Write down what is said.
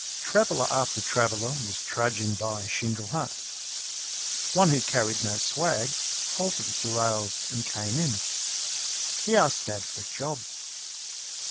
Traveller after traveller was trudging by Shingle Hut. One who carried no swag halted at the rails and came in. He asked Dad for a job.